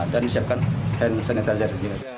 dan disiapkan hand sanitizer